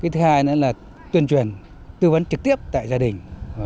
thứ hai nữa là tuyên truyền tư vấn trực tiếp tại gia đình